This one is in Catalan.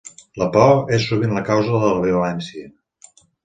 La por és sovint la causa de la violència.